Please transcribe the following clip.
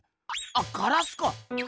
あっガラスか。